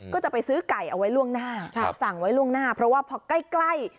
ก็จะไปซื้อไก่เอาไว้ล่วงหน้าสั่งไว้ล่วงหน้าเพราะว่าพอใกล้